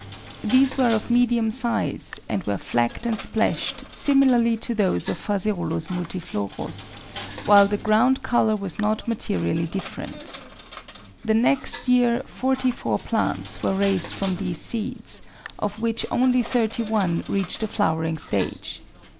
These were of medium size, and were flecked and splashed similarly APPENDIX 341 to those of Ph. multiflorus, while the ground colour was not ma terially different. The next year forty four plants were raised from these seeds, of which only thirty one reached the flowering stage.